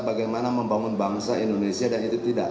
bangsa indonesia dan itu tidak